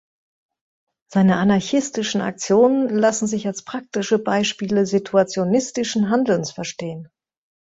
Seine anarchistischen Aktionen lassen sich als praktische Beispiele situationistischen Handelns verstehen.